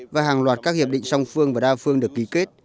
và hàng loạt các hiệp định song phương và đa phương được ký kết